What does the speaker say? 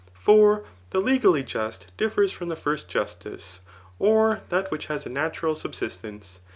For the I^ally just differs from the first justice, [or that which Jias a natural subsistence.